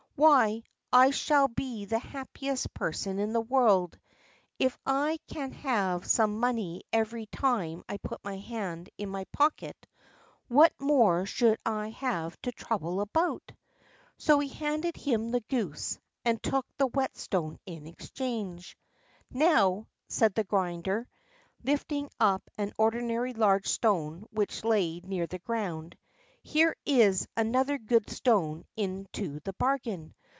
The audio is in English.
"Why, I shall be the happiest person in the world. If I can have some money every time I put my hand in my pocket, what more should I have to trouble about?" So he handed him the goose, and took the whetstone in exchange. "Now," said the grinder, lifting up an ordinary large stone which lay near on the road, "here is another good stone into the bargain.